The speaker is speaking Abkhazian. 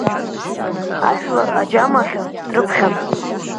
Ажәлар аџьаамахьы дрыԥхьан…